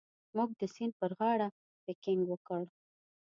موږ د سیند پر غاړه پکنیک وکړ.